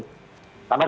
karena kan dinasur